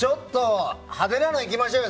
派手なのいきましょうよ！